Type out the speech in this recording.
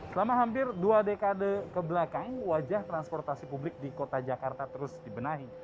selama hampir dua dekade kebelakang wajah transportasi publik di kota jakarta terus dibenahi